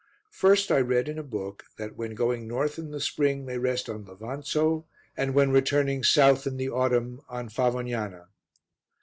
First I read in a book that when going north in the spring they rest on Levanzo and when returning south in the autumn, on Favognana.